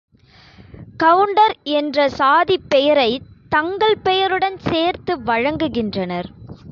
Counter என்ற சாதிப் பெயரைத் தங்கள் பெயருடன் சேர்த்து வழங்குகின்றனர்.